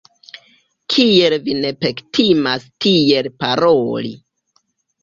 Kiel vi ne pektimas tiel paroli!